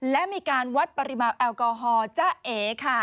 และมีการวัดปริมาณแอลกอฮอล์จ้าเอ๋ค่ะ